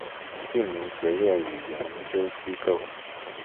姓名职业与研究机构